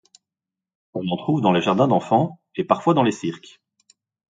On en trouve dans les jardins d'enfants, et parfois dans les cirques.